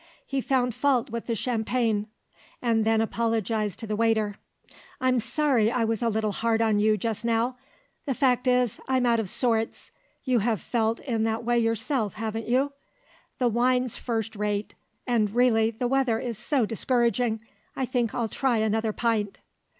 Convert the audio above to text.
He found fault with the champagne and then apologised to the waiter. "I'm sorry I was a little hard on you just now. The fact is, I'm out of sorts you have felt in that way yourself, haven't you? The wine's first rate; and, really the weather is so discouraging, I think I'll try another pint."